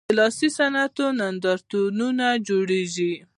د لاسي صنایعو نندارتونونه جوړیږي؟